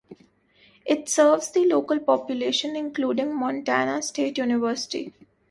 It serves the local population, including Montana State University.